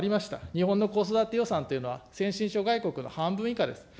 日本の子育て予算というのは、先進諸外国の半分以下です。